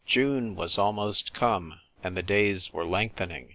June was almost come, and the days were lengthening.